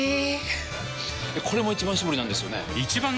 これも「一番搾り」なんですよね